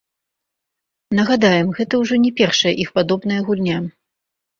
Нагадаем, гэта ўжо не першая іх падобная гульня.